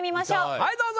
はいどうぞ！